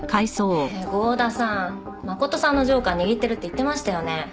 ねえ郷田さん真琴さんのジョーカー握ってるって言ってましたよね？